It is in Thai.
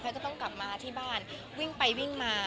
จะต้องกลับมาที่บ้านวิ่งไปวิ่งมา